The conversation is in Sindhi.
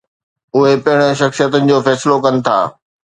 اهي پڻ شخصيتن جو فيصلو ڪن ٿا.